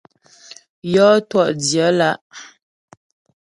Yɔ́ twɔ̂'dyə̌ lá'.